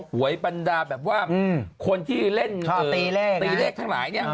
หวยบรรดาแบบว่าคนที่เล่นตีเลขทั้งหลายเนี่ย